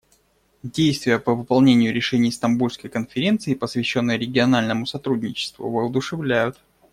Действия по выполнению решений Стамбульской конференции, посвященной региональному сотрудничеству, воодушевляют.